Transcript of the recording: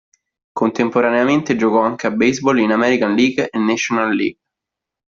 Contemporaneamente giocò anche a baseball in American League e National League.